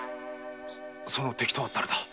その敵とは誰だ？